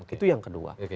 itu yang kedua